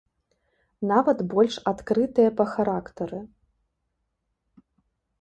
Нават больш адкрытыя па характары.